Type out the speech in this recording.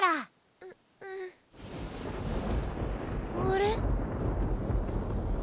あれ？